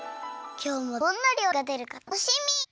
きょうもどんな料理がでるかたのしみ！